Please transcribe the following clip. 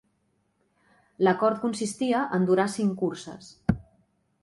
L'acord consistia en durar cinc curses.